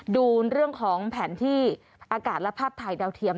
ดูเรื่องของแผนที่อากาศและภาพถ่ายดาวเทียม